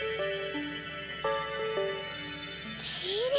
きれい！